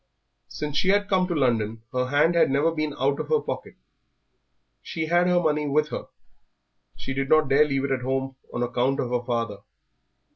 Since she had come to London her hand had never been out of her pocket. She had her money with her; she did not dare leave it at home on account of her father.